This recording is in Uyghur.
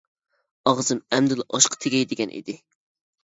ئاغزىم ئەمدىلا ئاشقا تېگەي دېگەن ئىدى.